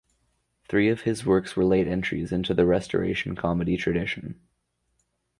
Three of his works were late entries into the Restoration Comedy tradition.